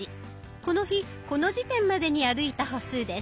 この日この時点までに歩いた歩数です。